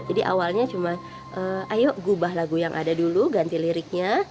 jadi awalnya cuma ayo gubah lagu yang ada dulu ganti liriknya